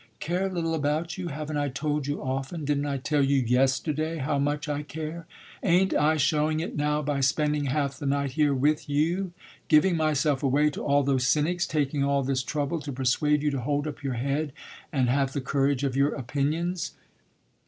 "Care little about you? Haven't I told you often, didn't I tell you yesterday, how much I care? Ain't I showing it now by spending half the night here with you giving myself away to all those cynics taking all this trouble to persuade you to hold up your head and have the courage of your opinions?"